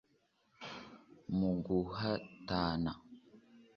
Mu guhatana